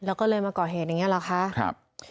แล้วก็เลยมาก่อเหตุอย่างนี้หรอคะครับ